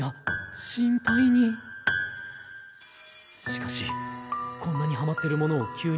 しかしこんなにハマってるものをんっんっ。